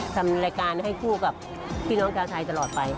ทำรายการให้คู่กับพี่น้องชาวไทยตลอดไป